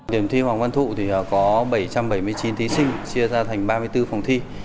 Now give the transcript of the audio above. điểm thi hoàng văn thụ thì có bảy trăm bảy mươi chín thí sinh chia ra thành ba mươi bốn phòng thi